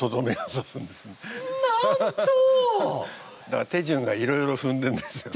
だから手順がいろいろふんでるんですよ。